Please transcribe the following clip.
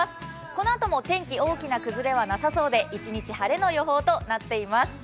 このあとも天気、大きな崩れはなさそうで一日晴れの予報となっています。